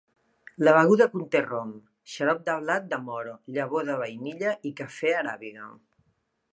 La beguda conté rom, xarop de blat de moro, llavor de vainilla i cafè aràbiga.